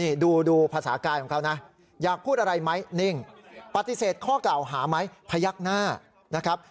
นี่ดูภาษากายของเขานะอยากพูดอะไรไหมนิ่งปฏิเสธข้อกล่าวหาไหมพยักหน้านะครับ